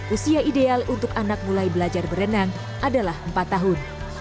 usia ideal untuk anak mulai belajar berenang adalah empat tahun